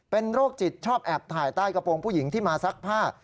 เป็นโรคจิตชอบแอบถ่ายใต้กระโปรงผู้หญิงที่มาซักผ้า